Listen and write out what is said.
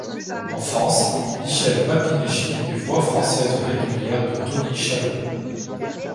En France, Michel Papineschi est voix française régulière de Tony Shalhoub.